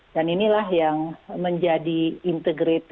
dan inilah yang menjadi integrated ya